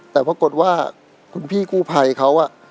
แต่ปรากฏว่าคุณพี่กู้ภัยเขา